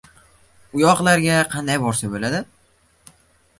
U yoqlarga qanday borsa bo‘ladi?”